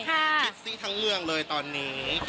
คิดซี่ทั้งเมืองเลยตอนนี้